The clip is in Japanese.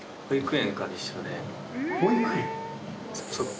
保育園！？